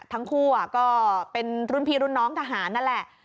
ทั้งคู่ก็รุนพีรุนน้องกับห่านนั่นแหละ